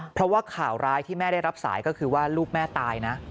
เพราะว่าข่าวร้ายที่แม่ได้รับสายก็คือว่าลูกแม่ตายนะ